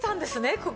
ここ。